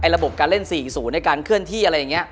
ระบบการเล่น๔๐ในการเคลื่อนที่อะไรอย่างนี้